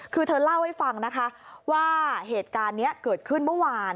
คือเธอเล่าให้ฟังนะคะว่าเหตุการณ์นี้เกิดขึ้นเมื่อวาน